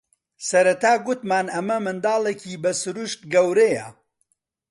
سەرەتا گوتمان ئەمە منداڵێکی بە سرووشت گەورەیە